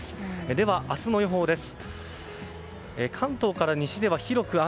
では、明日の予報です。